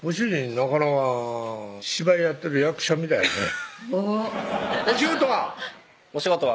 なかなか芝居やってる役者みたいやねおぉっお仕事は？